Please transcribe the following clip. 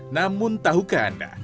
namun tahukah anda